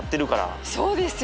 そうですよ。